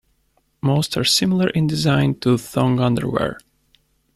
Most are similar in design to thong underwear.